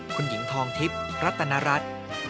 คุณหญิงทองทิพย์รัตนรัฐ